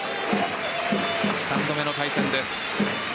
３度目の対戦です。